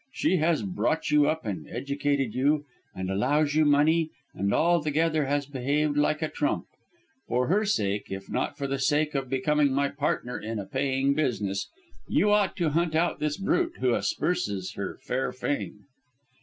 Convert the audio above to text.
She has brought you up and educated you, and allows you money, and altogether has behaved like a trump. For her sake, if not for the sake of becoming my partner in a paying business, you ought to hunt out this brute who asperses her fair fame."